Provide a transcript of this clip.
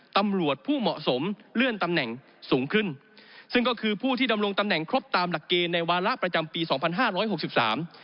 ตำรวจผู้เหมาะสมเลื่อนตำแหน่งสูงขึ้นซึ่งก็คือผู้ที่ดำรงตำแหน่งครบตามหลักเกณฑ์ในวาระประจำปีสองพันห้าร้อยหกสิบสาม